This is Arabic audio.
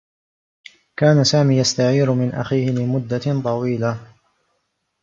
كان سامي يستعير من أخيه لمدّة طويلة.